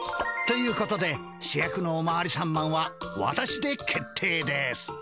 ということで主役のおまわりさんマンはわたしで決定です。